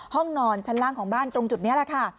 ห้องนอนชั้นล่างของบ้านตรงจุดนี้แหละค่ะ